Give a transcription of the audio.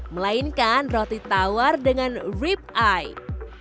melainkan roti tawar dengan rip eye